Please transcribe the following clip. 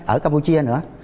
ở campuchia nữa